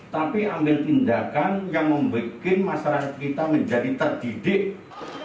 tapi ambil tindakan yang membuat masyarakat kita menjadi terdidik